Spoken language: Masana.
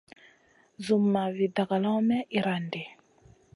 Zumma vi dagalawn may iyran ɗi.